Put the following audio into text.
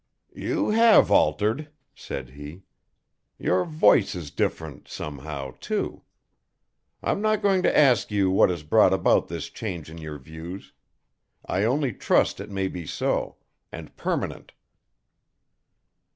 "You have altered," said he, "your voice is different, somehow, too. I am not going to ask you what has brought about this change in your views. I only trust it may be so and permanent."